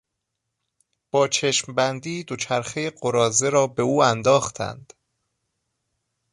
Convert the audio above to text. با چشمبندی دوچرخهی قراضه را به او انداختند.